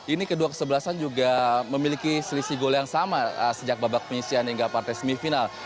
ini kedua kesebelasan juga memiliki selisih gol yang sama sejak babak penyisian hingga partai semifinal